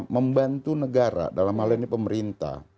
membantu negara dalam hal ini pemerintah